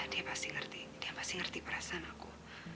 dia pasti ngerti dia pasti ngerti perasaan aku